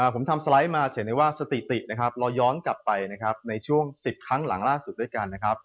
ผมทำสไลด์มาเฉียงในว่าสติติเราย้อนกลับไปในช่วง๑๐ครั้งหลังล่าสุดด้วยกัน